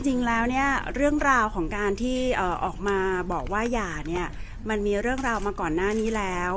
จริงแล้วเนี่ยเรื่องราวของการที่ออกมาบอกว่าหย่าเนี่ยมันมีเรื่องราวมาก่อนหน้านี้แล้ว